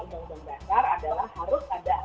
dasarnya adalah pasal dua puluh dua undang undang dasar